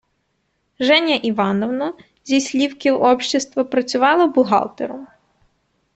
Женя Івановна – зі «слівків общєства», працювала бухгалтером.